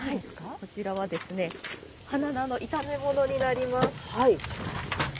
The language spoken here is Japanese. こちらは花菜の炒め物になります。